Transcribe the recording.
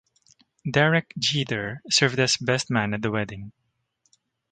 Derek Jeter served as best man at the wedding.